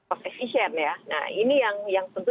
of efisien ya nah ini yang tentu